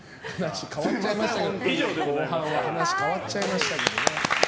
後半は話変わっちゃいましたけどね。